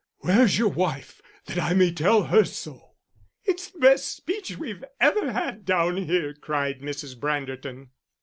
Where's your wife, that I may tell her so?" "It's the best speech we've ever had down here," cried Mrs. Branderton.